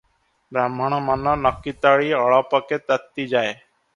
ବ୍ରାହ୍ଣଣ ମନ ନକିତଳି ଅଳପକେ ତାତି ଯାଏ ।